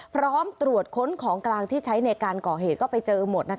พร้อมตรวจค้นของกลางที่ใช้ในการก่อเหตุก็ไปเจอหมด